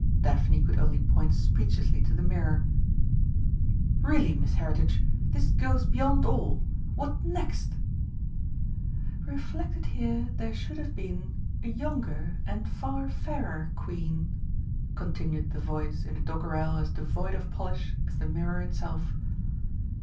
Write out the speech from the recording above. Daphne could only point speechlessly to the mirror. "Really, Miss Heritage! This goes beyond all what next!" "Reflected here there should have been A younger and far fairer Queen." continued the voice in a doggerel as devoid of polish as the mirror itself.